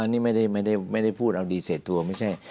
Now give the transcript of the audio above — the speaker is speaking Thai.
นี่ไม่ได้พูดเอาดีเสร็จตัวไม่ใช่